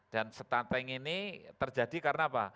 dan stunting ini terjadi karena apa